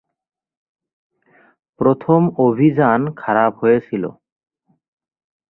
প্রথম অভিযান খারাপ হয়েছিল।